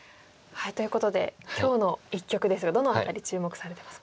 ということで今日の一局ですがどの辺り注目されてますか？